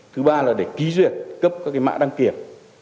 thứ ba là để kí duyệt cấp các mạng đăng kiểm